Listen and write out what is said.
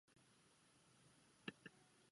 也是喀土穆总教区总主教。